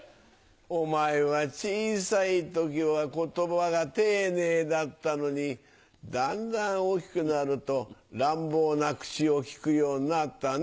お前は小さい時は言葉が丁寧だったのにだんだん大きくなると乱暴な口を利くようになったね。